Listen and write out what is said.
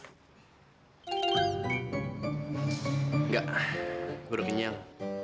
enggak gue udah kenyang